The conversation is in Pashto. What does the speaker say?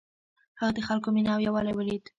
هغه د خلکو مینه او یووالی ولید.